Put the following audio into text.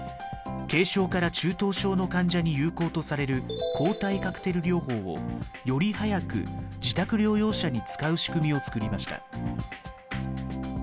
軽症から中等症の患者に有効とされる抗体カクテル療法をより早く自宅療養者に使う仕組みを作りました。